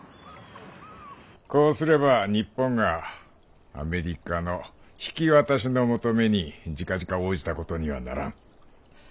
こうすれば日本がアメリカの引き渡しの求めにじかじか応じたことにはならん。